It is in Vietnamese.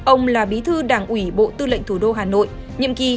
ông là bí thư đảng ủy bộ tư lệnh thủ đô hà nội